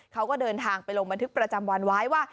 เขาก็เดินทางไปลงบันทึกประจำวันไว้ว่า